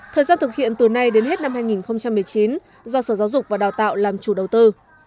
thời gian thực hiện từ nay đến hết năm hai nghìn một mươi chín do sở giáo dục và đào tạo làm chủ đầu tư